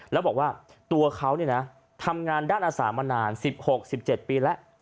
แล้วบอกว่าตัวเขาทำงานด้านอาสามานาน๑๖๑๗ปีแล้ว